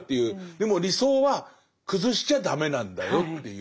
でも理想は崩しちゃ駄目なんだよっていう。